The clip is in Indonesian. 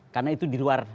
karena itu di luar